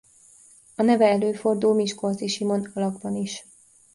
A neve előfordul Miskolczy Simon alakban is.